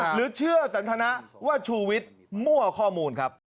หรือเชื่อสันทนะว่าชูวิทย์มั่วข้อมูลครับ